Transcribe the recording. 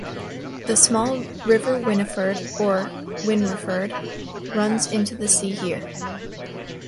The small River Winniford or Wynreford runs into the sea here.